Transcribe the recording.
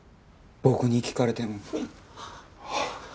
僕に聞かれても。